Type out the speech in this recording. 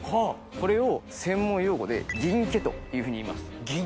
これを専門用語で銀化というふうに言います。